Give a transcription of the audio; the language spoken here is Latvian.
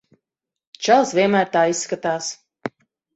Čalis vienmēr tā izskatās.